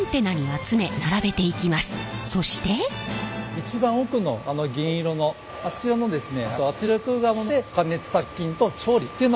一番奥の銀色のあちらのですね